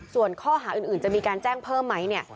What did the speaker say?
ส่วนข้อหาอื่นจะมีการแจ้งเพิ่มไหมเนี่ย